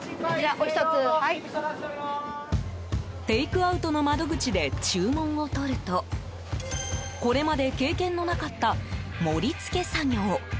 テイクアウトの窓口で注文を取るとこれまで経験のなかった盛り付け作業。